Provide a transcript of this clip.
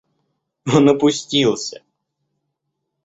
Он опустился.